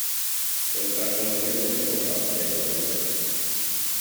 Contrajo matrimonio con Rafaela Olmedo.